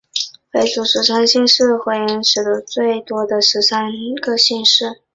回族十三姓是回回人使用最多的十三个姓氏。